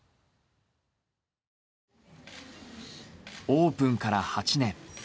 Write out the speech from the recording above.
オープンから８年。